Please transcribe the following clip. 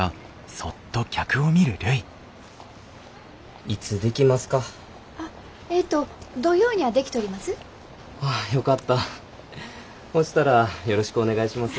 そしたらよろしくお願いします。